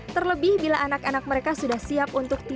terlebih bila anak anak mereka sudah siap untuk tidur